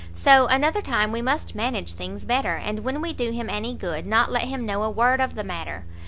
So another time we must manage things better, and when we do him any good, not let him know a word of the matter.